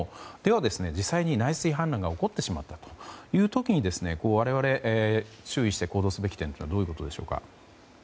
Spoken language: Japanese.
は、実際に内水氾濫が起こってしまったという時に我々、注意して行動すべき点はどういうところでしょうか？